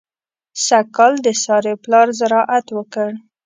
سږ کال د سارې پلار زراعت وکړ.